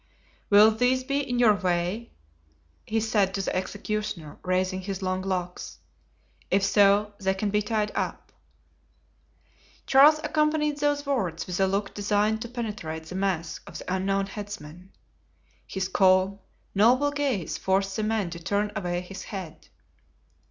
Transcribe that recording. "Will these be in your way?" he said to the executioner, raising his long locks; "if so, they can be tied up." Charles accompanied these words with a look designed to penetrate the mask of the unknown headsman. His calm, noble gaze forced the man to turn away his head.